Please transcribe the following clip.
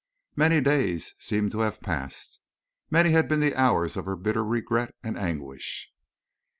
Many days seemed to have passed. Many had been the hours of her bitter regret and anguish.